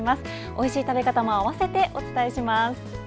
おいしい食べ方も併せてお伝えします。